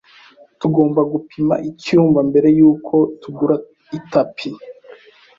Tugomba gupima icyumba mbere yuko tugura itapi.